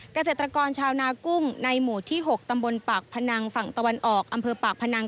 เกษตรกรชาวนากุ้งในหมู่ที่๖ตำบลปากพนังฝั่งตะวันออกอำเภอปากพนัง